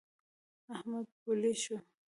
احمد پولۍ شو.